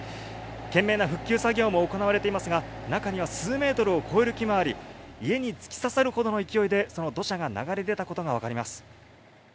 懸命な復旧作業も行われていますが、中には数メートルを超える木もあり、家に突き刺さるほどの勢いでその土砂が流れ出たことが分かります。